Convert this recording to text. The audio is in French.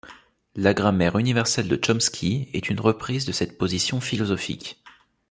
La grammaire universelle de Chomsky est une reprise de cette position philosophique.